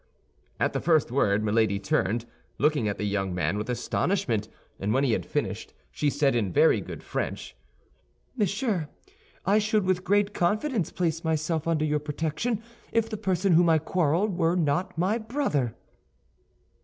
At the first word Milady turned, looking at the young man with astonishment; and when he had finished, she said in very good French, "Monsieur, I should with great confidence place myself under your protection if the person with whom I quarrel were not my brother."